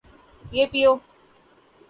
یہ پیو